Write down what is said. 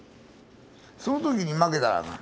その時に負けたらあかん。